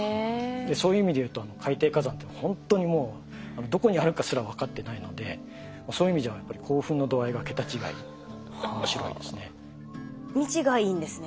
そういう意味でいうと海底火山っていうのはほんとにもうどこにあるかすら分かってないのでそういう意味じゃ未知がいいんですね。